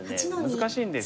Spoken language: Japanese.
難しいんですよね。